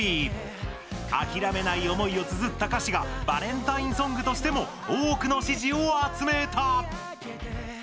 諦めない思いをつづった歌詞がバレンタインソングとしても多くの支持を集めた。